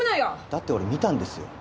だって俺見たんですよ。